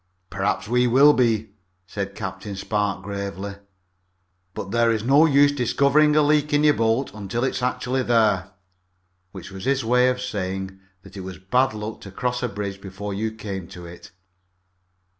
"Perhaps we all will be," said Captain Spark gravely, "but there is no use discovering a leak in your boat until it's actually there," which was his way of saying that it was bad luck to cross a bridge until you came to it.